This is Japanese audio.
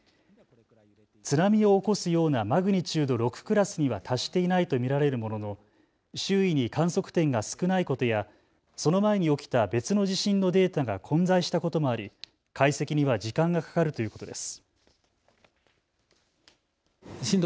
津波を起こすようなマグニチュード６クラスには達していないと見られるものの周囲に観測点が少ないことやその前に起きた別の地震のデータが混在したこともあり解析には時間がかかるということです。